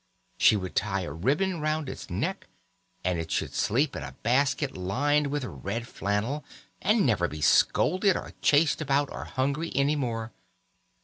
She would tie a ribbon round its neck, and it should sleep in a basket lined with red flannel, and never be scolded or chased about or hungry any more.